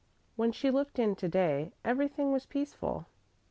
When she looked in to day everything was peaceful.